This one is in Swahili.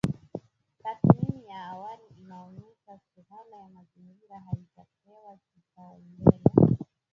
Tathmini ya awali inaonesha suala la Mazingira halijapewa kipaumbele